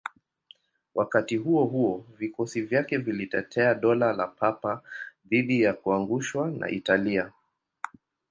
Wakati huo huo, vikosi vyake vilitetea Dola la Papa dhidi ya kuunganishwa na Italia.